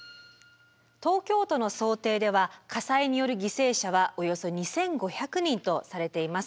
東京都の想定では火災による犠牲者はおよそ２，５００人とされています。